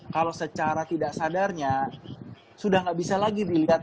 kalau secara tidak sadarnya sudah tidak bisa lagi dilihat